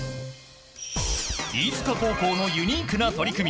飯塚高校のユニークな取り組み。